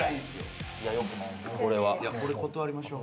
これ断りましょう。